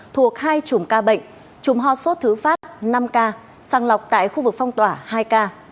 thuộc hai chủng ca bệnh chủng ho sốt thứ phát năm ca sàng lọc tại khu vực phong tỏa hai ca